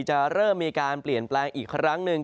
จะเริ่มมีการเปลี่ยนแปลงอีกครั้งหนึ่ง